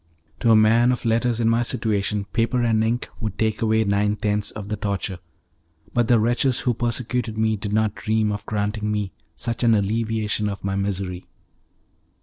To a man of letters in my situation, paper and ink would take away nine tenths of the torture, but the wretches who persecuted me did not dream of granting me such an alleviation of my misery.